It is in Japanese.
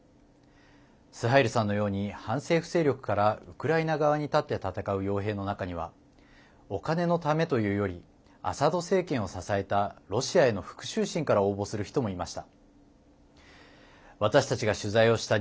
スハイルさんのように反政府勢力からウクライナ側に立って戦うよう兵の中にはお金のためというよりアサド政権を支えたロシアへの復讐心から応募する人もいました。